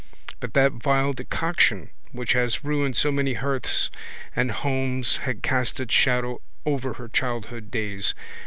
But that vile decoction which has ruined so many hearths and homes had cast its shadow over her childhood days.